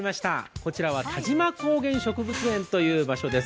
こちらはたじま高原植物園という場所です。